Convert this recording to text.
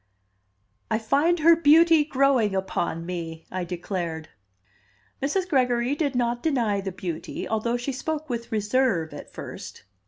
"I find her beauty growing upon me?" I declared. Mrs. Gregory did not deny the beauty, although she spoke with reserve at first.